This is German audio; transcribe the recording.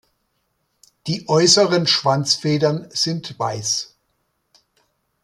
Die äußeren Schwanzfedern sind weiß.